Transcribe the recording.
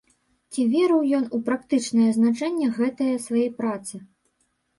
Ці верыў ён у практычнае значэнне гэтае свае працы?